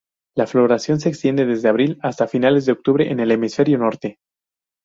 La floración se extiende desde abril hasta finales de octubre en el hemisferio norte.